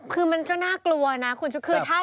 คือมันก็น่ากลัวนะคุณชุดคือถ้า